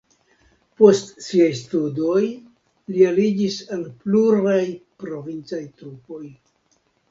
Post siaj studoj li aliĝis al pluraj provincaj trupoj.